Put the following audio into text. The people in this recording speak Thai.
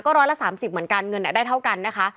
ร้อยละ๓๐เหมือนกันเงินได้เท่ากันนะคะ